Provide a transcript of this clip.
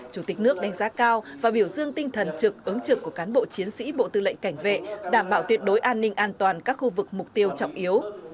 chủ tịch nước đánh giá cao và biểu dương tinh thần trực ứng trực của cán bộ chiến sĩ bộ tư lệnh cảnh vệ đảm bảo tuyệt đối an ninh an toàn các khu vực mục tiêu trọng yếu